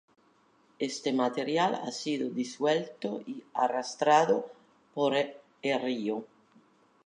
Este material ha sido disuelto y arrastrado por el río.